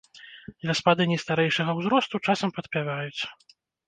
Гаспадыні старэйшага ўзросту часам падпяваюць.